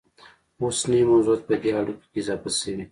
اوس نوي موضوعات په دې اړیکو کې اضافه شوي